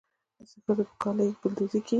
د ښځو په کالیو کې ګلدوزي کیږي.